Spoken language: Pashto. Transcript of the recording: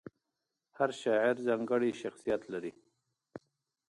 هر شاعر ځانګړی شخصیت لري.